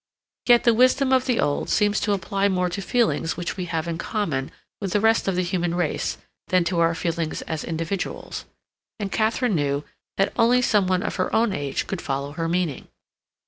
Yet the wisdom of the old seems to apply more to feelings which we have in common with the rest of the human race than to our feelings as individuals, and Katharine knew that only some one of her own age could follow her meaning.